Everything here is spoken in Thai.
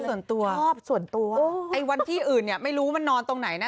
ส่วนตัวชอบส่วนตัวไอ้วันที่อื่นเนี่ยไม่รู้มันนอนตรงไหนนะ